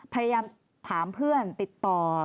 พยายามถามเพื่อนติดต่อ